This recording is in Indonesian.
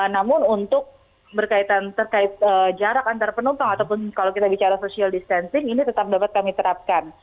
namun untuk berkaitan terkait jarak antar penumpang ataupun kalau kita bicara social distancing ini tetap dapat kami terapkan